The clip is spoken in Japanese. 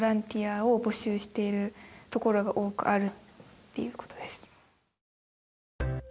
っていうことです。